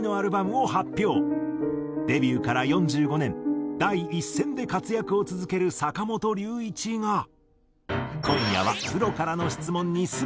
デビューから４５年第一線で活躍を続ける坂本龍一が今夜はプロからの質問に全て回答。